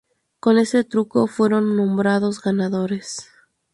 Con este truco fueron nombrados ganadores.